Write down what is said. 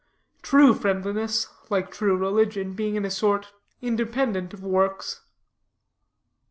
True friendliness, like true religion, being in a sort independent of works.